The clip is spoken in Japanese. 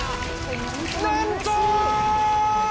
なんと！